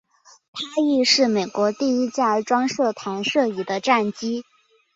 它亦是美国第一架装设弹射椅的战机。